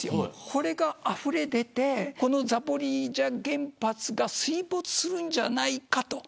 これがあふれ出てこのザポリージャ原発が水没するんじゃないかと。